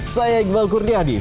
saya iqbal kurniaudi